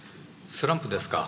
スランプですか？